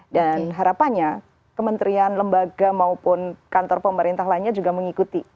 dan harapannya kementerian lembaga maupun kantor pemerintah lainnya juga mengikuti